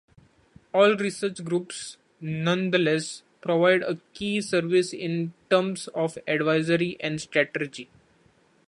All research groups, nonetheless, provide a key service in terms of advisory and strategy.